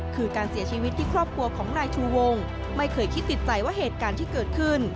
คือการเสียชีวิตที่ครอบครัวของนายชูวงไม่เคยคิดติดใจว่าเหตุการณ์ที่เกิดขึ้น